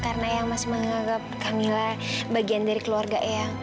karena ehang masih menganggap kamila bagian dari keluarga ehang